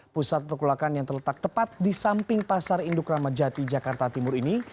pusat perkulakan yang terletak tepat di samping pasar induk ramadjati jakarta timur ini